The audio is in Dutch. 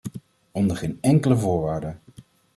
Onder geen enkele voorwaarde!